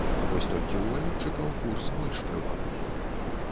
Вось толькі ў валютчыкаў курс больш прывабны.